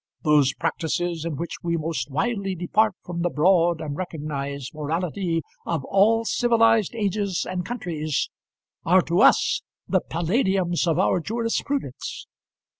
Those practices in which we most widely depart from the broad and recognised morality of all civilised ages and countries are to us the Palladiums of our jurisprudence.